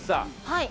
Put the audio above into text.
はい。